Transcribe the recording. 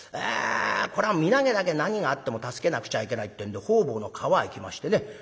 これは身投げだけは何があっても助けなくちゃいけないってんで方々の川へ行きましてね